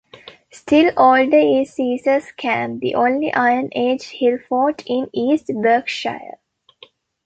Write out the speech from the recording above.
Still older is Caesar's Camp, the only Iron Age hill fort in East Berkshire.